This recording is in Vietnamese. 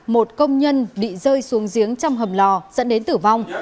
một công nhân bị rơi xuống giếng trong hầm lò dẫn đến tử vong